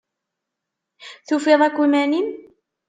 Tufiḍ akk iman-im?